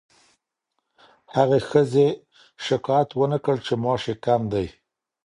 هغې ښځې شکایت ونه کړ چې معاش یې کم دی.